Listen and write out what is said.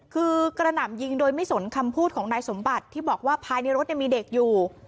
คือกระหน่ำยิงโดยไม่สนคำพูดของนายสมบัติที่บอกว่าภายในรถมีเด็กอยู่